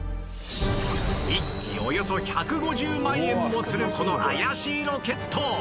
１機およそ１５０万円もするこの怪しいロケットを